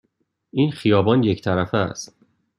این خیابان یک طرفه است.